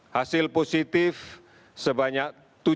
hasil positif sebanyak tujuh satu ratus tiga puluh lima